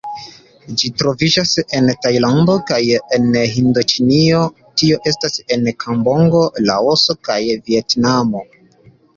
Ĝi troviĝas en Tajlando kaj en Hindoĉinio, tio estas en Kamboĝo, Laoso kaj Vjetnamo.